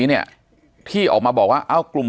ปากกับภาคภูมิ